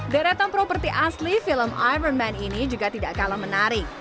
deretan properti asli film iron man ini juga tidak kalah menarik